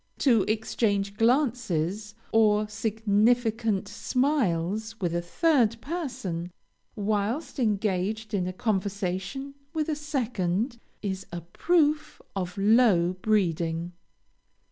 To exchange glances or significant smiles with a third person, whilst engaged in a conversation with a second, is a proof of low breeding.